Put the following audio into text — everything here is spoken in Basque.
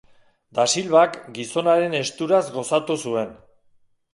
Dasilvak gizonaren esturaz gozatu zuen.